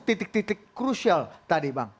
titik titik krusial tadi bang